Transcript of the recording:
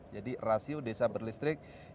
jadi rasio desa berlistriki